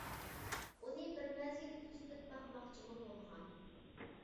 ئۇنى بىر مەزگىل كۆزىتىپ باقماقچىمۇ بولغان.